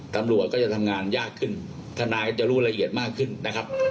ตำรวจก็จะทำงานยากขึ้นทนายจะรู้ละเอียดมากขึ้นนะครับ